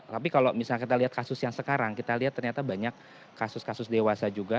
tapi kalau misalnya kita lihat kasus yang sekarang kita lihat ternyata banyak kasus kasus dewasa juga